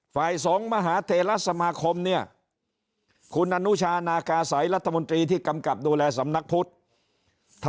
ฝ่ายสงฆ์มหาเทราสมาคมเนี่ยคุณอนุชานากาศัยรัฐมนตรีที่กำกับดูแลสำนักพุทธ